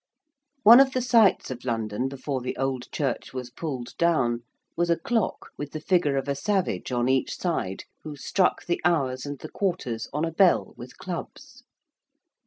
One of the sights of London before the old church was pulled down was a clock with the figure of a savage on each side who struck the hours and the quarters on a bell with clubs.